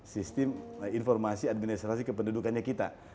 sistem informasi administrasi kependudukannya kita